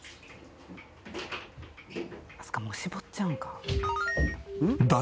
まさかもう絞っちゃうんか？